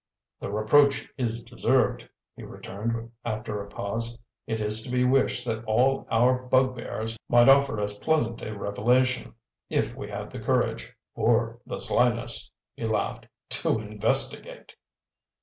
"The reproach is deserved," he returned, after a pause. "It is to be wished that all our bugbears might offer as pleasant a revelation, if we had the courage, or the slyness" he laughed "to investigate."